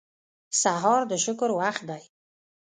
سهار د شکر وخت دی.